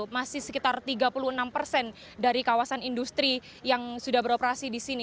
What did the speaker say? masih sekitar tiga puluh enam persen dari kawasan industri yang sudah beroperasi di sini